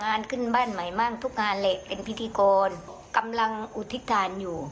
งานขึ้นบ้านใหม่บ้างทุกงานเลยเป็นพิธีโกนกำลังอุทิศาลอยู่